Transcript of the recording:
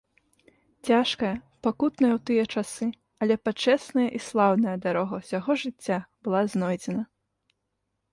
Цяжкая, пакутная ў тыя часы, але пачэсная і слаўная дарога ўсяго жыцця была знойдзена.